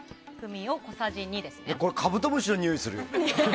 これ、カブトムシのにおいする。